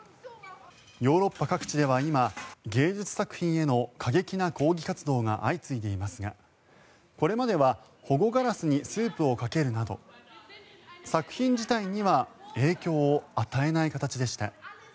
ヨーロッパ各地では今芸術作品への過激な抗議活動が相次いでいますがこれまでは保護ガラスにスープをかけるなど作品自体には影響を与えない形でした。